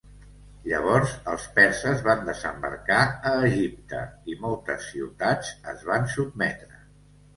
Llavors els perses van desembarcar a Egipte i moltes ciutats es van sotmetre.